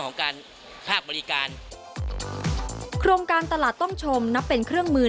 โครงการตลาดต้องชมนับเป็นเครื่องมือ